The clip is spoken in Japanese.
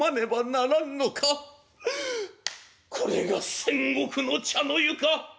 これが戦国の茶の湯か。